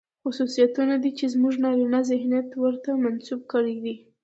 خصوصيتونه دي، چې زموږ نارينه ذهنيت ورته منسوب کړي دي.